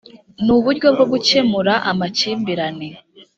ni uburyo bwo gukemura amakimbirane